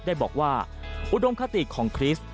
ได้บอกว่าอุดมคติของคริสต์